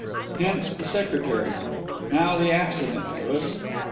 Hence the secretary. Now the accident, Louis."